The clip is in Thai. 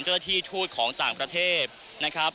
เจ้าที่ทูตของต่างประเทศนะครับ